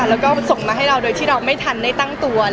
แล้วก็ส่งมาให้เราโดยที่เราไม่ทันได้ตั้งตัว